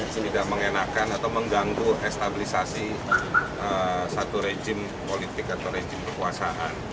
sehingga mengenakan atau mengganggu stabilisasi satu rejim politik atau rejim kekuasaan